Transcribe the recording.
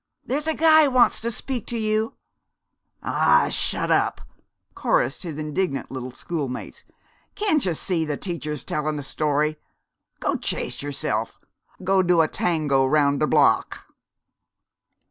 There's a guy wants to speak to you!" "Aw, shut tup!" chorused his indignant little schoolmates. "Can't you see that Teacher's tellin' a story? Go chase yerself! Go do a tango roun' de block!"